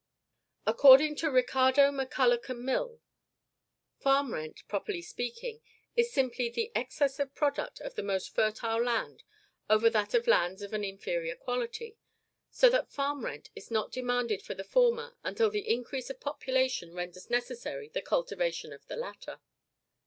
According to Ricardo, MacCulloch, and Mill, farm rent, properly speaking, is simply the EXCESS OF THE PRODUCT OF THE MOST FERTILE LAND OVER THAT OF LANDS OF AN INFERIOR QUALITY; so that farm rent is not demanded for the former until the increase of population renders necessary the cultivation of the latter.